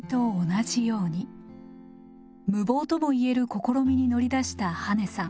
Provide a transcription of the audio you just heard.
無謀とも言える試みに乗り出した羽根さん。